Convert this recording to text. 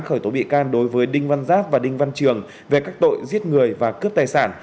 khởi tố bị can đối với đinh văn giáp và đinh văn trường về các tội giết người và cướp tài sản